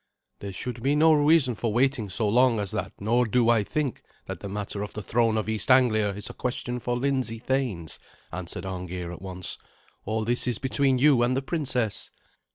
"There should be no reason for waiting so long as that, nor do I think that the matter of the throne of East Anglia is a question for Lindsey thanes," answered Arngeir at once. "All this is between you and the princess."